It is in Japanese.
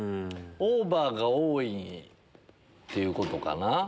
オーバーが多いっていうことかな。